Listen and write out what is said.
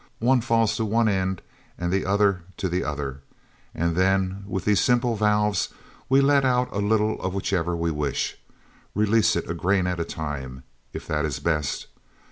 One falls to one end and the other to the other. And then, with these simple valves, we let out a little of whichever we wish—release it a grain at a time, if that is best.